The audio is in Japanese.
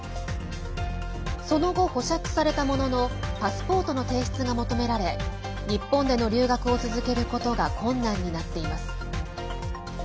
その後、保釈されたもののパスポートの提出が求められ日本での留学を続けることが困難になっています。